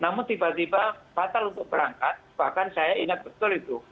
namun tiba tiba batal untuk berangkat bahkan saya ingat betul itu